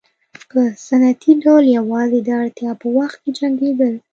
په سنتي ډول یوازې د اړتیا په وخت کې جنګېدل.